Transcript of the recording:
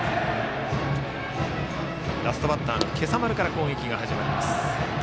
ラストバッターの今朝丸から攻撃が始まります。